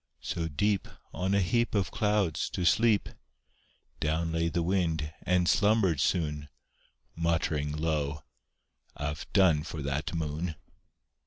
So deep, On a heap Of clouds, to sleep, Down lay the Wind, and slumbered soon Muttering low, "I've done for that Moon."